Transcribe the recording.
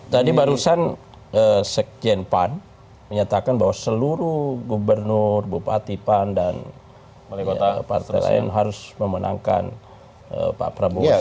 tadi barusan sekjen pan menyatakan bahwa seluruh gubernur bupati pan dan partai lain harus memenangkan pak prabowo